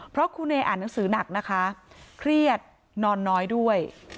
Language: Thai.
เพราะครูเนอ่านหนังสือหนักนะคะเครียดนอนน้อยด้วย